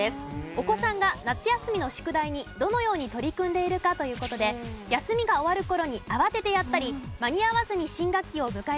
お子さんが夏休みの宿題にどのように取り組んでいるか？という事で休みが終わる頃に慌ててやったり間に合わずに新学期を迎えた場合です。